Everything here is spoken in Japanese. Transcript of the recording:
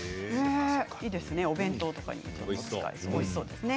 いいですね、お弁当とかにおいしそうですね。